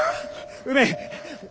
梅！